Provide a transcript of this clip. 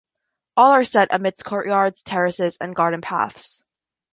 All are set amidst courtyards, terraces and garden paths.